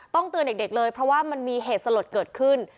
เตือนเด็กเลยเพราะว่ามันมีเหตุสลดเกิดขึ้น